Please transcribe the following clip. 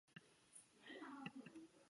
他们有些是贝塔以色列。